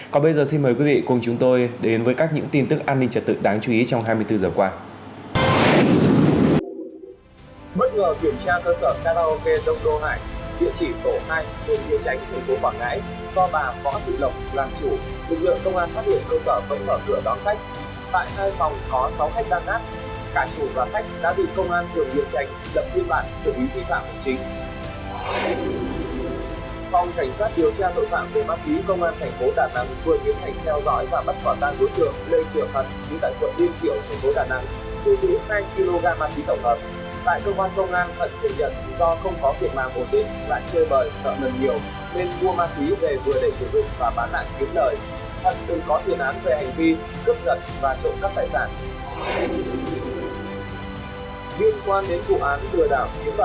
còn bây giờ xin mời quý vị cùng chúng tôi đến với các những tin tức an ninh trật tự đáng chú ý trong hai mươi bốn giờ qua